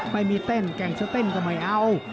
ไม่มีเต้นแก่งจะเต้นก็ไม่เอา